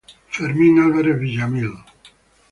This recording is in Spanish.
Fermin Alvarez Villamil.